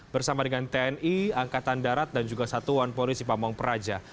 bersama dengan tni angkatan darat dan juga satuan polisi pamung praja